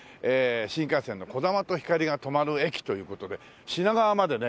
新幹線のこだまとひかりが止まる駅という事で品川までね